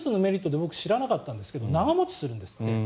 僕、知らなかったんですが長持ちするんですって。